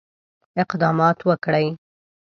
اقدامات وکړي.